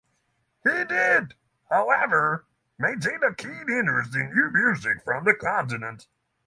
He did, however, maintain a keen interest in new music from the continent.